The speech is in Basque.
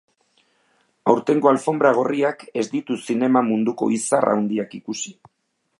Aurtengo alfombra gorriak ez ditu zinema munduko izar handiak ikusi.